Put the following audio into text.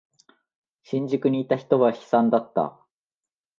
新宿にいた人は悲惨だった。